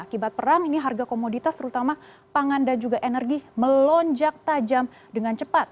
akibat perang ini harga komoditas terutama pangan dan juga energi melonjak tajam dengan cepat